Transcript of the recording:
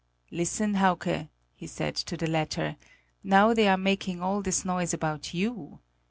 "Listen, Hauke," he said to the latter; "now they are making all this noise about you."